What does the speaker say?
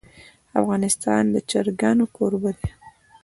افغانستان د چرګان کوربه دی.